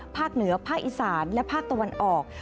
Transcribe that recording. เหนือภาคอีสานและภาคตะวันออก